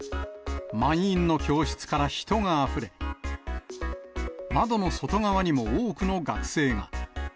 満員の教室から人があふれ、窓の外側にも多くの学生が。